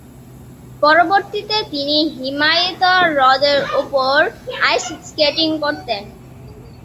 পরবর্তীতে তিনি হিমায়িত হ্রদের উপর আইস স্কেটিং করতেন।